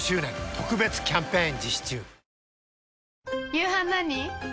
夕飯何？